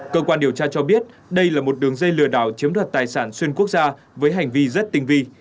cơ quan điều tra cho biết đây là một đường dây lừa đảo chiếm đoạt tài sản xuyên quốc gia với hành vi rất tinh vi